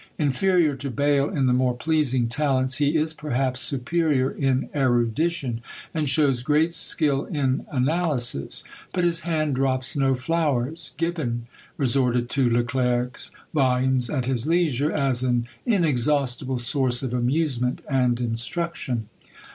Inferior to BAYLE in the more pleasing talents, he is perhaps superior in erudition, and shows great skill in analysis: but his hand drops no flowers! GIBBON resorted to Le Clerc's volumes at his leisure, "as an inexhaustible source of amusement and instruction."